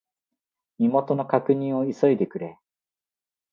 身元の確認を急いでくれ。